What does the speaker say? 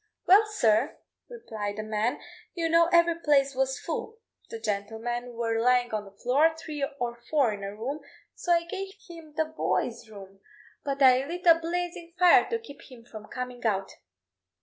"Well, sir," replied the man; "you know every place was full the gentlemen were lying on the floor, three or four in a room so I gave him the Boy's Room; but I lit a blazing fire to keep him from coming out."